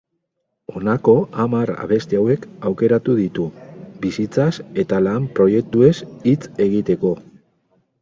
Honako hamar abesti hauek aukeratu ditu, bizitzaz eta lan proiektuez hitz egiteko.